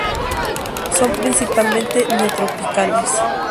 Son principalmente neotropicales.